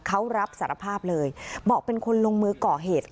เขารับสารภาพเลยบอกเป็นคนลงมือก่อเหตุ